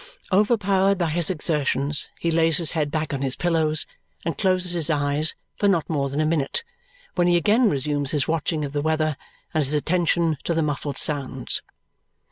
Overpowered by his exertions, he lays his head back on his pillows and closes his eyes for not more than a minute, when he again resumes his watching of the weather and his attention to the muffled sounds.